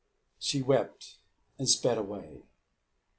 She wept and sped away.